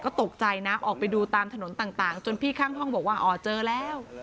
ก็ตกใจนะออกไปดูตามถนนต่างจนพี่ข้างห้องบอกว่าอ๋อเจอแล้ว